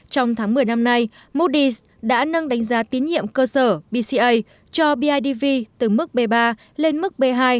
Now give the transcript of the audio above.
trong tháng một mươi năm nay moodys đã nâng đánh giá tín nhiệm cơ sở bca cho bidv từ mức b ba lên mức b hai